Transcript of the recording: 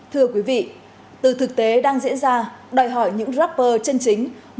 thưa quý vị từ thực tế đang diễn ra đòi hỏi những rapper chân chính muốn đi đường xa